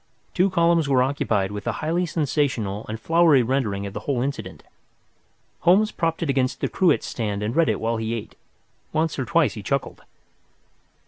Two columns were occupied with a highly sensational and flowery rendering of the whole incident. Holmes propped it against the cruet stand and read it while he ate. Once or twice he chuckled.